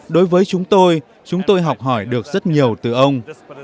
đối với chúng tôi chúng tôi học hỏi được rất nhiều từ ông